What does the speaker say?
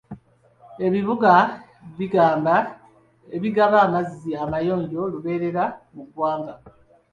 Ebibuga bigabi by'amazzi mayonjo lubeerera mu ggwanga.